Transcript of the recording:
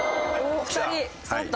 ２人そろった。